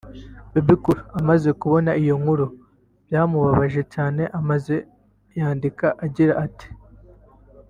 Bebe Cool amaze kubona iyo nkuru byamubabaje cyane maze yandika agira ati